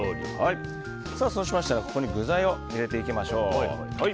そうしましたらここに具材を入れていきましょう。